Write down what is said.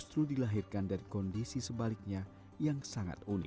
justru dilahirkan dari kondisi sebaliknya yang sangat unik